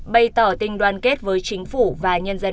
bày tỏ tình đoan kết với chính phủ mỹ